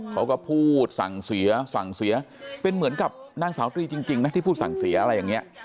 เขาก็พูดสั่งเสียสั่งเสียเป็นเหมือนกับนางสาวตรีจริงนะที่พูดสั่งเสียอะไรอย่างนี้